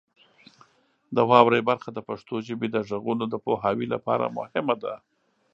د واورئ برخه د پښتو ژبې د غږونو د پوهاوي لپاره مهمه ده.